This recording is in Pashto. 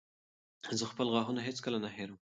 زه خپل غاښونه هېڅکله نه هېروم.